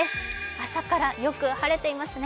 朝からよく晴れていますね。